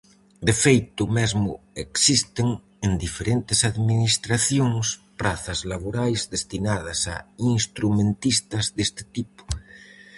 De feito mesmo existen, en diferentes administracións, prazas laborais destinadas a instrumentistas deste tipo.